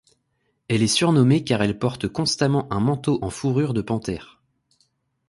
Elle est surnommée car elle porte constamment un manteau en fourrure de panthère.